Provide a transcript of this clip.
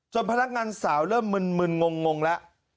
พนักงานสาวเริ่มมึนงงแล้ว